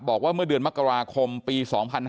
บอกว่าเมื่อเดือนมกราคมปี๒๕๕๙